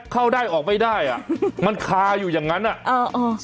เข้าได้ออกไม่ได้อ่ะมันคาอยู่อย่างงั้นอ่ะเออเออ